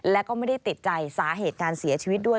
และก็ไม่ได้ติดใจสาเหตุการเสียชีวิตด้วย